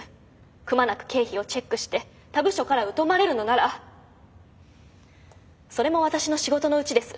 くまなく経費をチェックして他部署から疎まれるのならそれも私の仕事のうちです。